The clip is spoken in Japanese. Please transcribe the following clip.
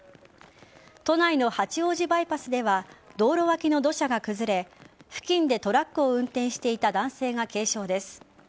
都内の八王子バイパスでは道路脇の土砂が崩れ付近でトラックを運転していた男性が軽傷です。